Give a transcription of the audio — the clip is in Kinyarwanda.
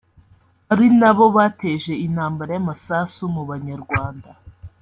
ari na bo bateje intambara y’amasasu mu banyarwanda